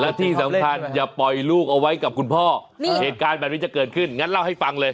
และที่สำคัญอย่าปล่อยลูกเอาไว้กับคุณพ่อเหตุการณ์แบบนี้จะเกิดขึ้นงั้นเล่าให้ฟังเลย